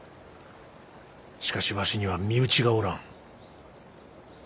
しかしわしには身内がおらん。